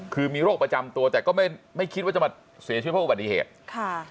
คือมีโรคประจำตัวแต่ก็ไม่คิดจะมาเสียให้พวกอุบัติเหตุค่ะ